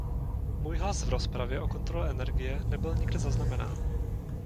Můj hlas v rozpravě o kontrole energie nebyl nikde zaznamenán.